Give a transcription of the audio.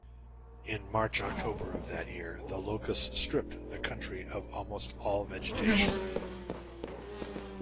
In March-October of that year, the locusts stripped the country of almost all vegetation.